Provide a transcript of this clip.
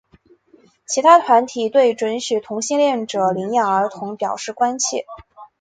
其他团体对准许同性恋者领养儿童表示关切。